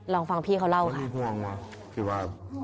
ลองฟังพี่เขาเล่าค่ะ